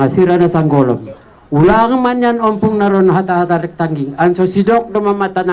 hasil ada sanggolom ulang manyan ompong narun hatta hattalik tanggi ansosidok doma mata